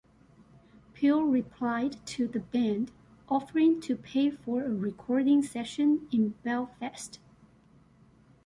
Peel replied to the band, offering to pay for a recording session in Belfast.